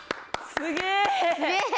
すげえ！